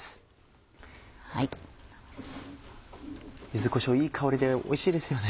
柚子こしょういい香りでおいしいですよね。